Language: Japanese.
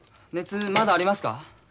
熱まだありますか？